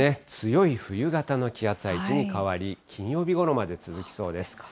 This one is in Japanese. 強い冬型の気圧配置に変わり、金曜日ごろまで続きそうです。